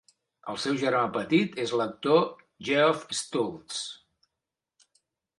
El seu germà petit és l'actor Geoff Stults.